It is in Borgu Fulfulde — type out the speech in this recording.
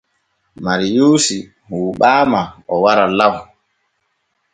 Mariyuusi huuɓaama o wara law.